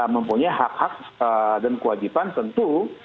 mempunyai hak hak dan kewajiban tentu